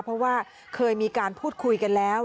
เพราะว่าเคยมีการพูดคุยกันแล้ว